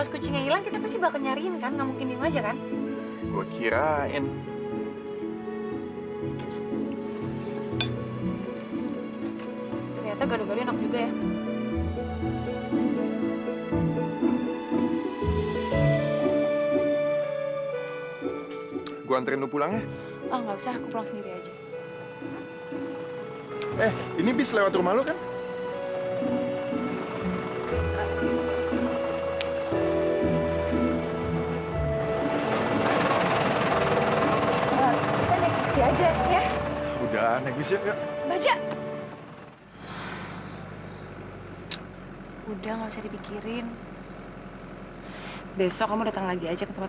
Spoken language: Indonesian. sampai jumpa di video selanjutnya